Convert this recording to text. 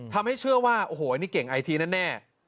ทำให้เชื่อว่าโอ้โหนี่เก่งไอทีแน่